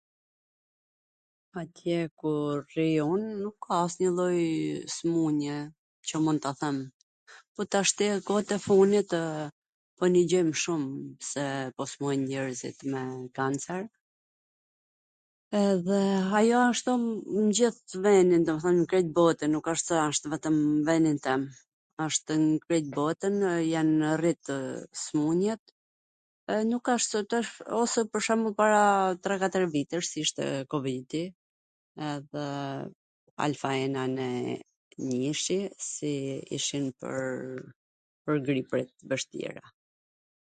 Atje ku rri un, nuk ka asnjw lloj smun-je, qw mund ta them, po tashti kot e funit po nigjojm shum se po smuren njerzit me kancer edhe ajo asht n gjith venin, domethwn nw krejt botwn, nuk asht se asht vetwm nw venin tem, ashtw nw krejt botwn, janw rrit smun-jet, e nuk ashtu tash, ose pwr shwmbull para tre katwr vitesh ishte kovidi, edhe Alfa ena ne njishi si ishin pwr gripra t vwshtira,